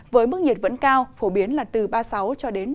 với mức nhiệt vẫn cao phổ biến là từ ba mươi sáu ba mươi bảy